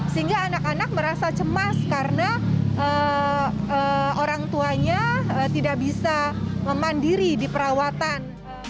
sehingga anak anak merasa cemas karena orang tuanya tidak bisa memandiri di perawatan